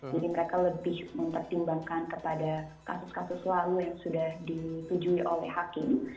jadi mereka lebih mempertimbangkan kepada kasus kasus lalu yang sudah ditujui oleh hakim